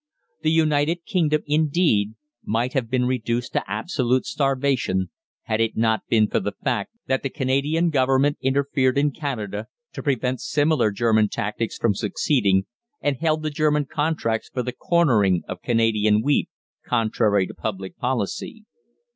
The United Kingdom, indeed, might have been reduced to absolute starvation had it not been for the fact that the Canadian Government interfered in Canada to prevent similar German tactics from succeeding, and held the German contracts for the cornering of Canadian wheat, contrary to public policy.